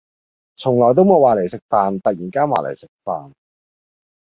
從來都冇話嚟食飯，突然間話嚟食飯